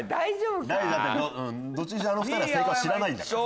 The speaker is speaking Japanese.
どっちにしろあの２人は正解を知らないんだから。